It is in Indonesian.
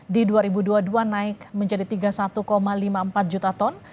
di dua ribu dua puluh dua naik menjadi tiga puluh satu lima puluh empat juta ton